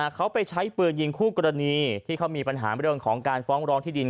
เขาไปใช้ปืนยิงคู่กรณีที่เขามีปัญหาเรื่องของการฟ้องร้องที่ดิน